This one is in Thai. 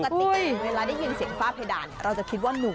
ปกติเวลาได้ยินเสียงฝ้าเพดานเราจะคิดว่าหนุ่ม